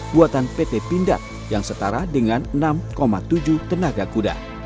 buatan pt pindad yang setara dengan enam dua kw